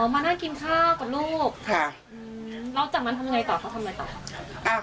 มานั่งกินข้าวกับลูกแล้วจากนั้นทำยังไงต่อเขาทำไงต่อครับ